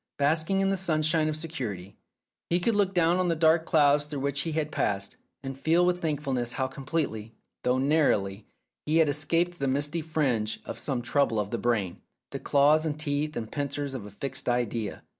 Basking in the sunshine of security, he could look down on the dark clouds through which he had passed, and feel with thankfulness how com pletely (though narrowly) he had escaped the misty fringe of some trouble of the brain, the claws and teeth and pincers of a fixed idea.